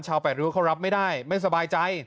แปดริ้วเขารับไม่ได้ไม่สบายใจ